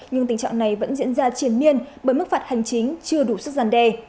nhưng tình trạng này vẫn diễn ra triển miên bởi mức phạt hành chính chưa đủ sức gian đề